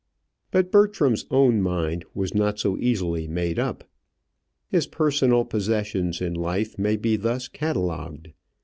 But Bertram's own mind was not so easily made up. His personal possessions in life may be thus catalogued.